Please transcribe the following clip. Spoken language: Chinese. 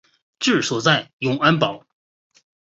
治所在永安堡。